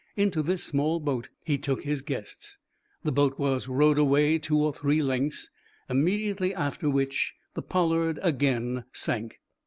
Into this small boat he took his guests. The boat was rowed away two or three lengths, immediately after which the "Pollard" again sank.